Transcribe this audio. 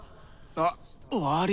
あっわり。